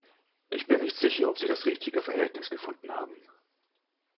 Ich bin nicht sicher, ob Sie das richtige Verhältnis gefunden haben.